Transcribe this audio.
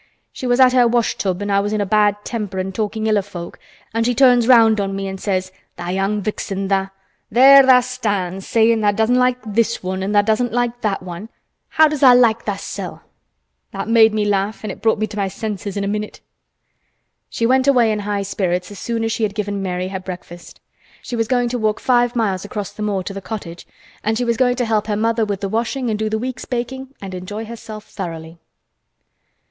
"She was at her wash tub an' I was in a bad temper an' talkin' ill of folk, an' she turns round on me an' says: 'Tha' young vixen, tha'! There tha' stands sayin' tha' doesn't like this one an' tha' doesn't like that one. How does tha' like thysel'?' It made me laugh an' it brought me to my senses in a minute." She went away in high spirits as soon as she had given Mary her breakfast. She was going to walk five miles across the moor to the cottage, and she was going to help her mother with the washing and do the week's baking and enjoy herself thoroughly.